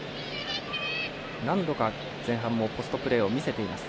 何度か、前半もポストプレーを見せています。